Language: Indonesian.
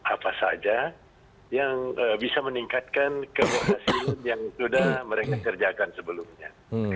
apa saja yang bisa meningkatkan keberhasilan yang sudah mereka kerjakan sebelumnya